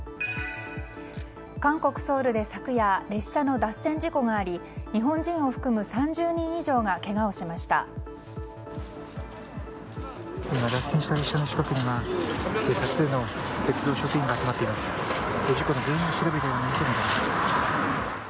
韓国ソウルで昨夜列車の脱線事故があり日本人を含む３０人以上がけがをしました。